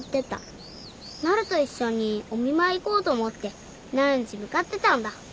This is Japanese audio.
なると一緒にお見舞い行こうと思ってなるんち向かってたんだ。